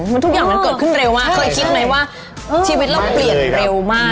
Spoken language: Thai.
มันทุกอย่างมันเกิดขึ้นเร็วมากเคยคิดไหมว่าชีวิตเราเปลี่ยนเร็วมาก